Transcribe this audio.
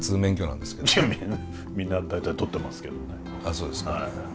そうですか。